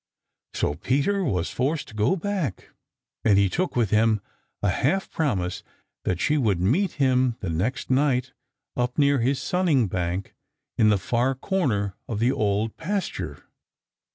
So Peter was forced to go back, but he took with him a half promise that she would meet him the next night up near his sunning bank in the far corner of the Old Pasture.